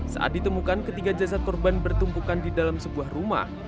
saat ditemukan ketiga jasad korban bertumpukan di dalam sebuah rumah